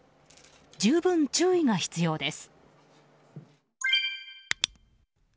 十分、注意が必要です。